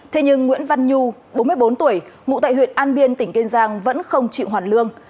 thế nhưng nguyễn văn nhu bốn mươi bốn tuổi ngụ tại huyện an biên tỉnh kiên giang vẫn không chịu hoàn lương